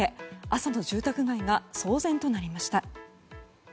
朝の住宅街が騒然となりました。